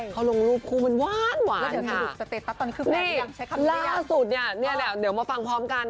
เขาลงรูปคู่มันวานค่ะล่าสุดเนี่ยเดี๋ยวมาฟังพร้อมกัน